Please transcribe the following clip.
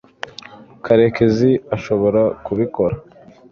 karekezi ashobora kubikora